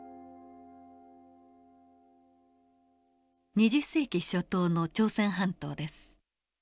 ２０世紀初頭の朝鮮半島です。